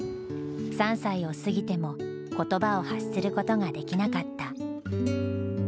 ３歳を過ぎても言葉を発することができなかった。